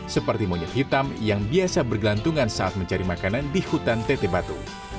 seperti monyet hitam yang biasa bergelantungan saat mencari makanan di hutan teteh batu